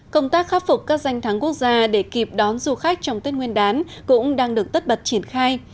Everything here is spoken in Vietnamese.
công tác khắc phục các danh thắng quốc gia để kịp đón du khách trong tết nguyên đán cũng đang được tất bật triển khai